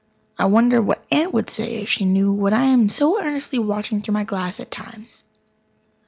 I wonder what Aunt would say if she knew what I am so earnestly watching through my glass at times.